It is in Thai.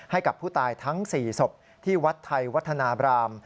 ให้กับผู้ตายทั้ง๔ศพที่วัดไทยวัฒนาบราม